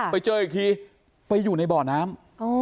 ไปเจออีกทีไปอยู่ในบ่อน้ำ